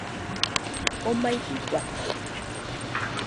Komaijɨ guate